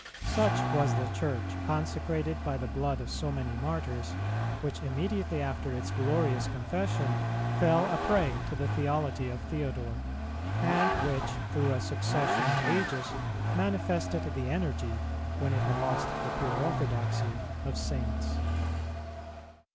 Such was the Church, consecrated by the blood of so many martyrs, which immediately after its glorious confession fell a prey to the theology of Theodore; and which through a succession of ages manifested the energy, when it had lost the pure orthodoxy of Saints.